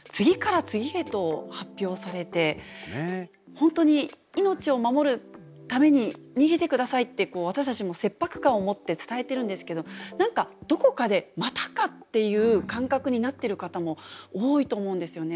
本当に命を守るために逃げてくださいって私たちも切迫感を持って伝えてるんですけど何かどこかでまたかっていう感覚になってる方も多いと思うんですよね。